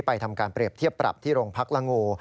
ทำการเปรียบเทียบปรับที่โรงพักละงู